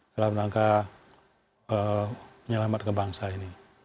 dalam rangka menyelamatkan bangsa ini